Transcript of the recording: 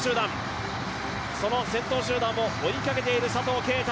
先頭集団を追いかけている佐藤圭汰。